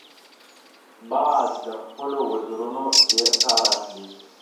باز له خپلو وزرونو ډیر کار اخلي